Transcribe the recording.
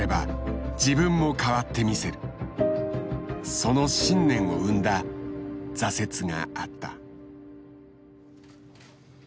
その信念を生んだ挫折があった。